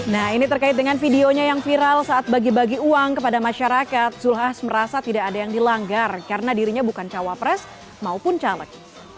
nah ini terkait dengan videonya yang viral saat bagi bagi uang kepada masyarakat zulkifli hasan merasa tidak ada yang dilanggar karena dirinya bukan cawapres maupun caleg